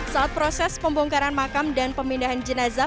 saat proses pembongkaran makam dan pemindahan jenazah